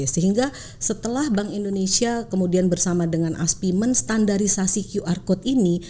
sehingga setelah bank indonesia kemudian bersama dengan aspimen standarisasi qr code ini